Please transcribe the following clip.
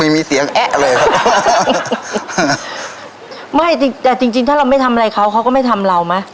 ไม่แต่จริงจริงถ้าเราไม่ทำอะไรเขาเขาก็ไม่ทำเราไหม